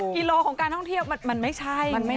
กิโลของการท่องเที่ยวมันไม่ใช่